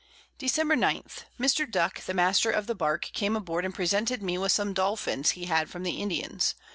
Dec. 9. Mr. Duck the Master of the Bark came aboard, and presented me with some Dolphins he had from the Indians.